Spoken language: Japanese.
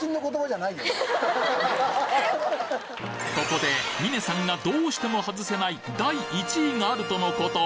ここで峰さんがどうしても外せない第１位があるとのこと！